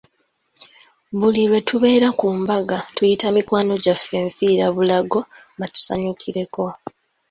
Buli lwe tubeera ku mbaga tuyita mikwano gyaffe nfiirabulago batusanyukireko.